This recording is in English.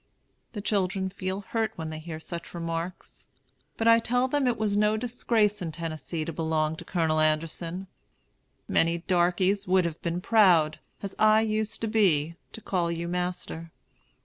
The children feel hurt when they hear such remarks; but I tell them it was no disgrace in Tennessee to belong to Colonel Anderson. Many darkeys would have been proud, as I used to be, to call you master.